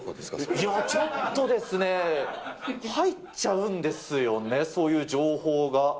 いや、ちょっとですね、入っちゃうんですよね、そういう情報が。